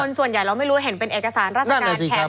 ส่วนใหญ่เราไม่รู้เห็นเป็นเอกสารราชการแถม